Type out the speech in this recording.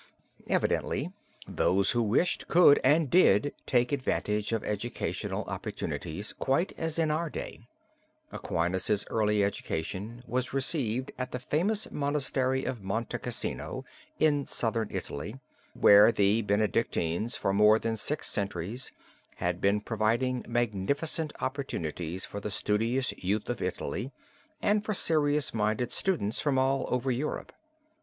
Evidently those who wished could and did take advantage of educational opportunities quite as in our day. Aquinas's early education was received at the famous monastery of Monte Cassino in Southern Italy, where the Benedictines for more than six centuries had been providing magnificent opportunities for the studious youth of Italy and for serious minded students from all over Europe.